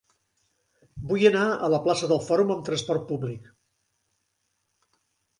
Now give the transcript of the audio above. Vull anar a la plaça del Fòrum amb trasport públic.